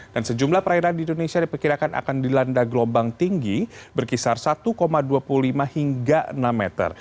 dan sejumlah perairan di indonesia diperkirakan akan dilanda gelombang tinggi berkisar satu dua puluh lima hingga enam meter